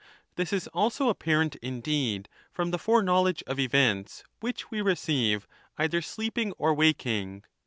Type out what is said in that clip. This is also apparent indeed from the foreknowledge of events, which we receive either sleeping or waking.